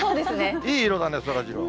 いい色だね、そらジロー。